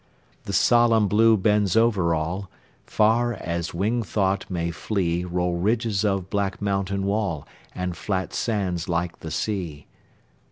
The solemn Blue bends over all; Far as winged thought may flee Roll ridges of black mountain wall, And flat sands like the sea.